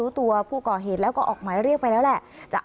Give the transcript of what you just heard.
ตัวผู้ก่อเหตุแล้วก็ออกหมายเรียกไปแล้วแหละ